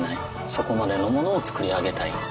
そこまでのものを作り上げたい。